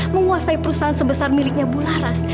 menguasai perusahaan sebesar miliknya ibu laras